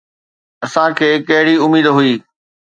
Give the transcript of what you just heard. اسان کي ڪهڙي اميد هئي؟